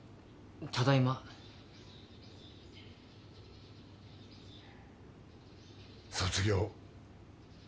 ただいま卒業